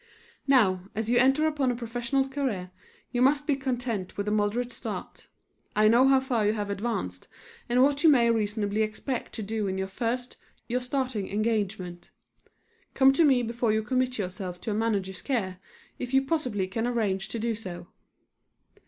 Now, as you enter upon a professional career, you must be content with a moderate start. I know how far you have advanced and what you may reasonably expect to do in your first, your starting engagement. Come to me before you commit yourself to any manager's care, if you possibly can arrange to do so.